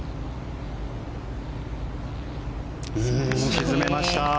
沈めました。